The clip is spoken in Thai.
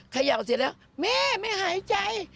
ขย่าวเสียแล้วแม่แม่หายใจ